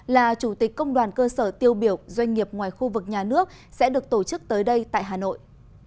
là chủ tịch công đoàn cơ sở tiêu biểu doanh nghiệp ngoài khu vực nhà nước sẽ được tổ chức tới đây tại hà nội